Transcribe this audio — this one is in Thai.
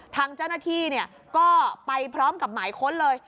ทางเจ้าหน้าที่ก็ไปพร้อมกับหมายค้นเลย